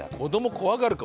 怖がるか？